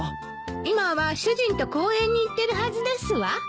今は主人と公園に行ってるはずですわ。